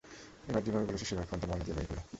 এবার যেভাবে বলেছি সেভাবে ফোনটা ময়লা দিয়ে ভরে ফেল।